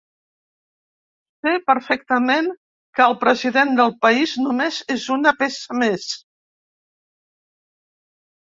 Ser perfectament que el president del país només és una peça més.